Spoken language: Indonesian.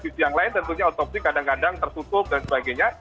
jadi otopsi kadang kadang tertutup dan sebagainya